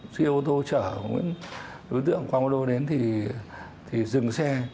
sau đó thì ô tô chở đối tượng quang mô lô đến thì dừng xe